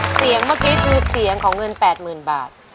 เสียงเมื่อกี้คือเสียงของเงินแปดหมื่นบาท